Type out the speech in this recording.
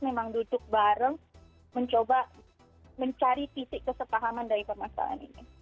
memang duduk bareng mencoba mencari titik kesepahaman dari permasalahan ini